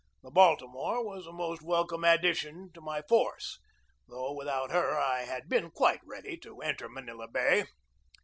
The Baltimore was a most welcome addition to my force, though without her I had been quite ready to enter Manila Bay.